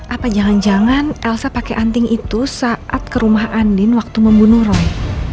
apa jangan jangan elsa pakai anting itu saat ke rumah andin waktu membunuh roy